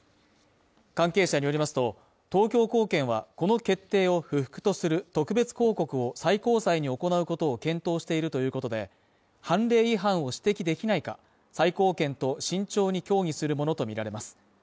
関係者によりますと、東京高検はこの決定を不服とする特別抗告を最高裁に行うことを検討しているということで、判例違反を指摘できないか、最高検と慎重に協議するものとみられます。